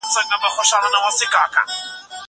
هغه څوک چي فکر کوي هوښيار وي!!